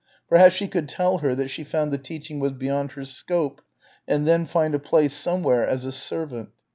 Perhaps she could tell her that she found the teaching was beyond her scope and then find a place somewhere as a servant.